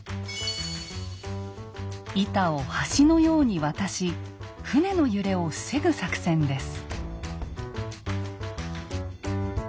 板を橋のように渡し船の揺れを防ぐ作戦です。